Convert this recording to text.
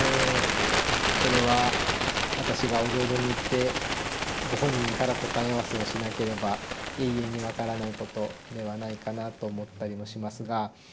それは私がお浄土に行ってご本人から答え合わせをしなければ永遠に分からないことではないかなと思ったりもしますが。